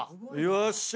よっしゃ！